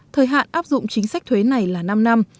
thời hạn áp dụng chính sách thuế này là năm năm